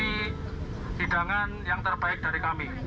ini hidangan yang terbaik dari kami